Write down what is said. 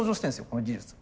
この技術。